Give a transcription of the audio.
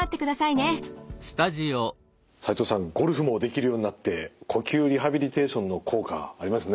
ゴルフもできるようになって呼吸リハビリテーションの効果ありましたね。